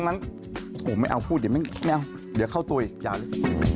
โอ้โฮไม่เอาพูดเดี๋ยวเข้าตัวอีกอย่าเลย